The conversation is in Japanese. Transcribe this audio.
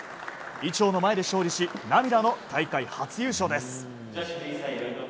伊調の前で勝利し涙の大会初優勝です。